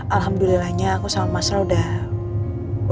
alhamdulillahnya aku sama mas ra udah berpikir